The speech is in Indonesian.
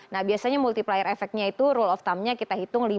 nah biasanya multiplier efeknya itu rule of thumnya kita hitung